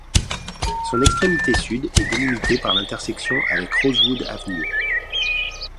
Son extrémité sud est délimitée par l'intersection avec Rosewood Avenue.